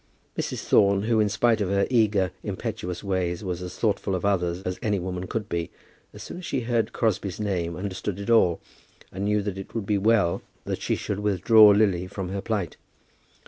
Mrs. Thorne, who, in spite of her eager, impetuous ways, was as thoughtful of others as any woman could be, as soon as she heard Crosbie's name understood it all, and knew that it would be well that she should withdraw Lily from her plight.